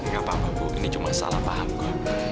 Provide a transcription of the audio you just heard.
gak apa apa bu ini cuma salah paham gua